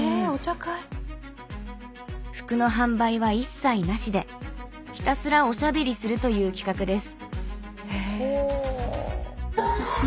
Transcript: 服の販売は一切なしでひたすらおしゃべりするという企画です。